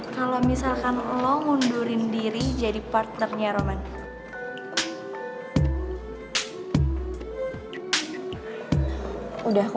kalau kita tuh gak cuma mirip muka doang